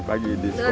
pagi pagi di sekolah